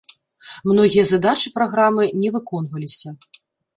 Многія задачы праграмы не выконваліся.